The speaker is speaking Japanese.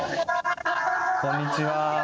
こんにちは。